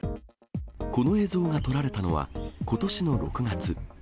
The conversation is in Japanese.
この映像が撮られたのは、ことしの６月。